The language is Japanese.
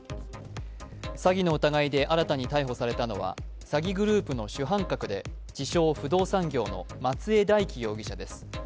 詐欺の疑いで新たに逮捕されたのは詐欺グループの主犯格で自称・不動産業の松江大樹容疑者です。